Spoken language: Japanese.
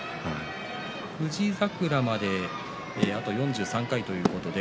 富士櫻まであと４３回ということです。